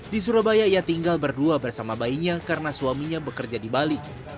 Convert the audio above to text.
di surabaya ia tinggal berdua bersama bayinya karena suaminya bekerja di bali